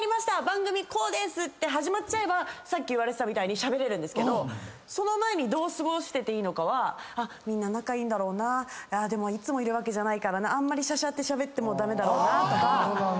番組こうです」って始まればさっき言われてたみたいにしゃべれるんですけどその前にどう過ごしてていいのかはみんな仲いいんだろうないつもいるわけじゃないからあんまりしゃしゃっても駄目だろうなとか。